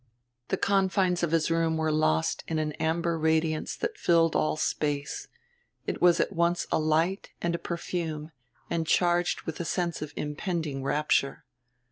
The confines of his room were lost in an amber radiance that filled all space; it was at once a light and a perfume and charged with a sense of impending rapture.